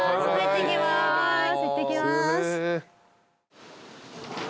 行ってきます。